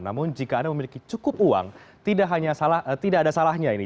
namun jika anda memiliki cukup uang tidak ada salahnya ini